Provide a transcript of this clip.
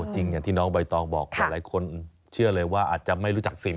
อย่างที่น้องใบตองบอกหลายคนเชื่อเลยว่าอาจจะไม่รู้จักสิท